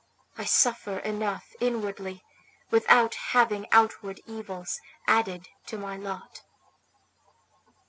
I suffer enough inwardly without having outward evils added to my lot."